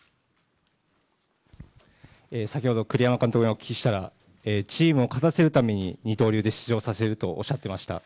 先ほど栗山監督からお聞きしたら、チームを勝たせるために二刀流で出場させるとおっしゃってました。